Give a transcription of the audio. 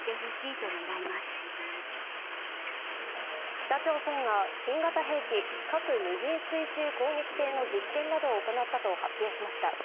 北朝鮮が新型兵器、核無人水中攻撃艇の実験などを行ったと発表しました。